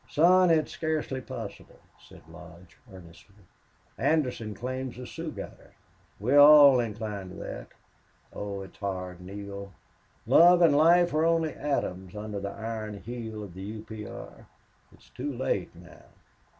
"Son, it's scarcely possible," said Lodge, earnestly. "Anderson claims the Sioux got her. We all incline to that.... Oh, it's hard, Neale.... Love and life are only atoms under the iron heel of the U. P. R.... It's too late now.